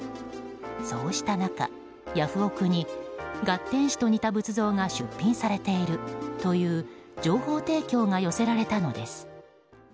そうした中、ヤフオク！に月天子と似た仏像が出品されているという情報提供が寄せられたのです。